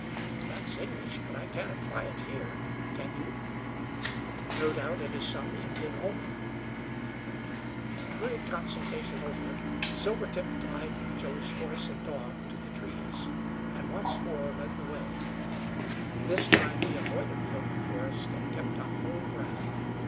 "That's English, but I can't apply it here. Can you?" "No doubt it is some Indian omen." The hurried consultation over, Silvertip tied Joe's horse and dog to the trees, and once more led the way; this time he avoided the open forest and kept on low ground.